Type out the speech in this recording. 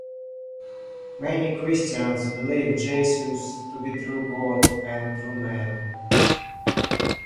Many Christians believe Jesus to be true God and true man.